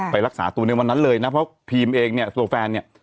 รักษาตัวในวันนั้นเลยนะเพราะพีมเองเนี่ยตัวแฟนเนี่ย